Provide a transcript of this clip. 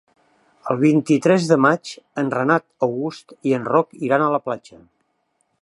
El vint-i-tres de maig en Renat August i en Roc iran a la platja.